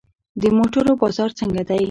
د موټرو بازار څنګه دی؟